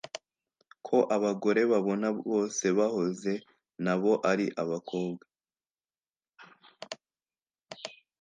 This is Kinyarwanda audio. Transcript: ko abagore babona bose bahoze na bo ari abakobwa.